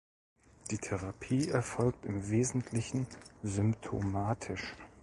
Die Therapie erfolgt im Wesentlichen symptomatisch.